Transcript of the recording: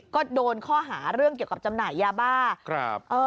ก็โดนข้อหาเรื่องเกี่ยวกับจำหน่ายยาบ้าครับ